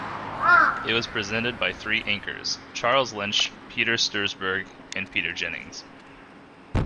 It was presented by three anchors: Charles Lynch, Peter Stursberg and Peter Jennings.